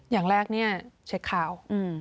อย่างแรกเนี่ยเช็คข่าว